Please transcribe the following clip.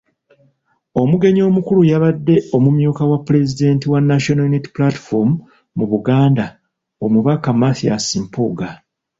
Omugenyi omukulu yabadde omumyuka wa Pulezidenti wa National Unity Platform mu Buganda, Omubaka Mathias Mpuuga.